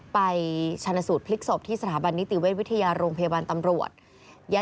ชนะสูตรพลิกศพที่สถาบันนิติเวชวิทยาโรงพยาบาลตำรวจ